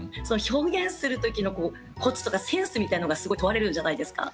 表現する時のコツとかセンスみたいのがすごい問われるんじゃないですか。